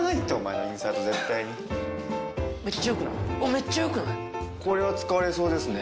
めっちゃよくない？